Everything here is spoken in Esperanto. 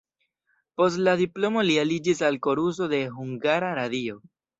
Post la diplomo li aliĝis al koruso de Hungara Radio.